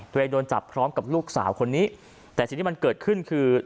โดนจับพร้อมกับลูกสาวคนนี้แต่สิ่งที่มันเกิดขึ้นคือ